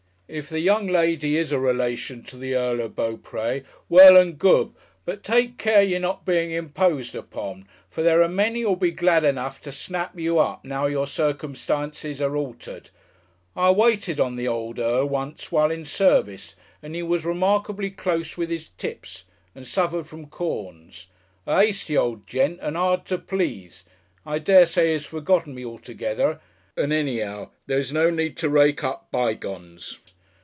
If the young lady is a relation to the Earl of Beauprés well and good but take care you are not being imposed upon for there are many who will be glad enough to snap you up now your circumstances are altered I waited on the old Earl once while in service and he was remarkably close with his tips and suffered from corns. A hasty old gent and hard to please I daresay he has forgotten me altogether and anyhow there is no need to rake up bygones.